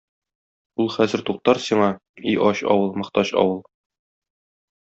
Ул хәзер туктар сиңа, и ач авыл, мохтаҗ авыл!